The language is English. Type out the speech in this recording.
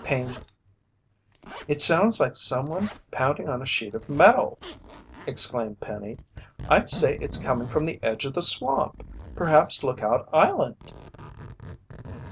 Ping ping! "It sounds like someone pounding on a sheet of metal!" exclaimed Penny. "I'd say it's coming from the edge of the swamp perhaps Lookout Island!"